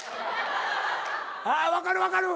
あ分かる分かる。